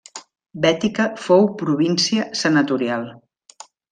Bètica fou província senatorial.